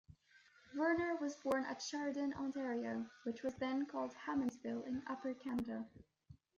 Verner was born at Sheridan, Ontario, which was then called Hammondsville, in Upper Canada.